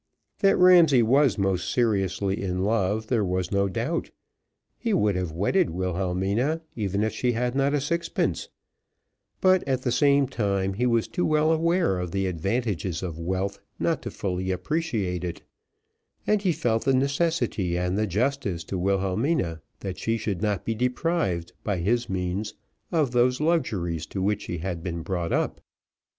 That Ramsay was most seriously in love there was no doubt; he would have wedded Wilhelmina, even if she had not a sixpence; but at the same time, he was too well aware of the advantages of wealth not to fully appreciate it, and he felt the necessity and the justice to Wilhelmina, that she should not be deprived, by his means, of those luxuries to which she had been brought up.